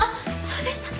そうでした。